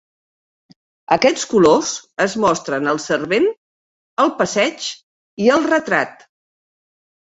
Aquests colors es mostren al servent, el passeig i el retrat.